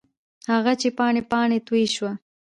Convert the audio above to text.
هغه چې پاڼې، پاڼې توی شوه